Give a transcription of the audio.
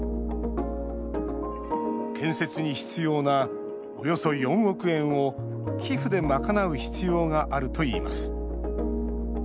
建設に必要な、およそ４億円を寄付で賄う必要があるといいます。